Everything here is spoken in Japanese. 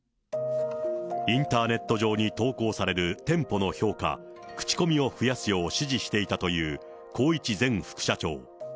インターネット上に投稿される店舗の評価、口コミを増やすよう指示していたという宏一前副社長。